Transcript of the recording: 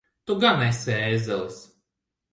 Tu gan esi ēzelis!